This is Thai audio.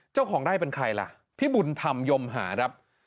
เจ้าของไร่เป็นใครล่ะพี่บุญธรรมยมหาครับ